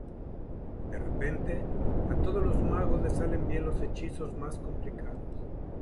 De repente, a todos los magos les salen bien los hechizos más complicados.